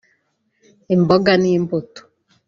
imboga n’imbuto